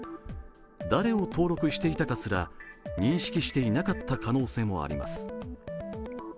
誰を登録していたかすら認識していなかった可能性があります。